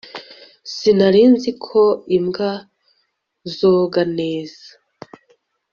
Sinari nzi ko imbwa zoga neza